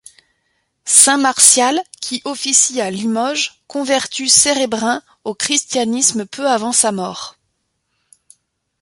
Saint Martial, qui officie à Limoges, convertit Cerebrun au christianisme peu avant sa mort.